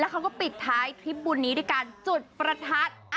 แล้วก็ปิดท้ายคลิปบุญนี้ด้วยกันจุดประทัด